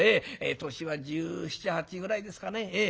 年は十七十八ぐらいですかね。